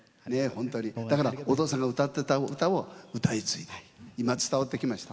だからお父さんが歌ってた歌を歌い継いで、今伝わってきました。